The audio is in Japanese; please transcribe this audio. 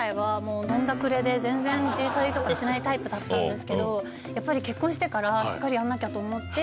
全然自炊とかしないタイプだったんですけどやっぱり結婚してからしっかりやんなきゃと思って。